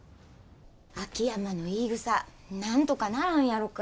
秋山の言いぐさなんとかならんやろか。